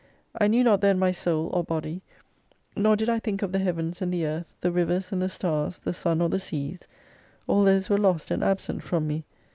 I knew not then my Soul, or Body; nor did I think of the Heavens and the Earth, the rivers and the stars, the sun or the seas : all those were lost, and absent from me.